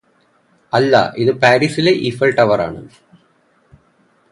അല്ലാ അത് പാരിസിലെ ഈഫൽ ടവറാണ്